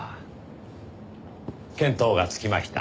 見当が付きました。